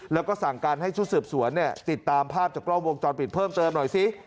แล้วก็สั่งการให้ชุดสืบสวนติดตามภาพจากกล้องวงจรปิดเพิ่มเติมหน่อยสิ